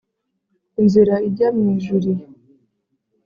inzira ijya mu ijuri